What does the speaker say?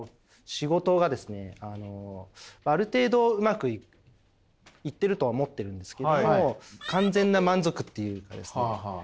仕事がですねある程度うまくいってるとは思ってるんですけど完全な満足っていうかですね